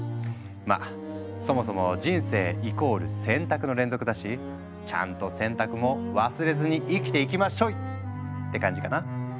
まあそもそも人生イコール選択の連続だしちゃんと選択も忘れずに生きていきまっしょい！って感じかな。